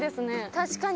確かに。